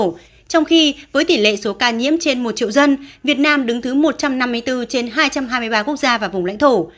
trong khi với tỷ lệ số ca nhiễm trên một triệu dân việt nam đứng thứ một trăm năm mươi bốn trên hai trăm hai mươi ba quốc gia và vùng lãnh thổ